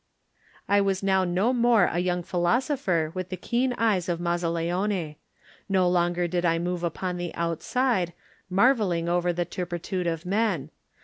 I was now no more a young philosopher with the keen eyes of Mazzaleone. / No longer did I move upon the outside, marvel ing over the turpitude of men.